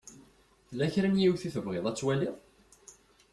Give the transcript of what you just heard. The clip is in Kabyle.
Tella kra n yiwet i tebɣiḍ ad twaliḍ?